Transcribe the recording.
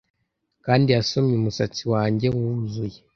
Kandi yasomye umusatsi wanjye wuzuye